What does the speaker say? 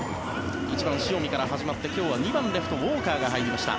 １番、塩見から始まって１番レフト、ウォーカーが入りました。